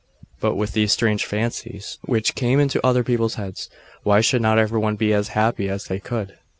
but with these strange fancies which came into other people's heads. Why should not every one be as happy as they could?